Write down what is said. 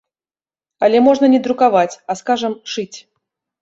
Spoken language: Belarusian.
Але можна не друкаваць, а, скажам, шыць.